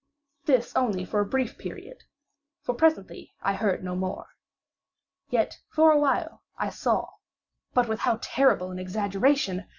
This only for a brief period, for presently I heard no more. Yet, for a while, I saw—but with how terrible an exaggeration!